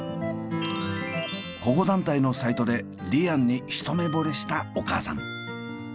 保護団体のサイトでリアンに一目ぼれしたお母さん。